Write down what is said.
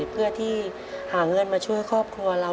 เพื่อที่หาเงินมาช่วยครอบครัวเรา